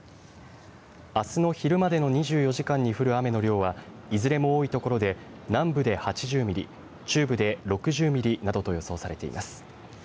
あすの昼までの２４時間に降る雨の量は、いずれも多い所で南部で８０ミリ、中部で６０ミリなどと予想されています。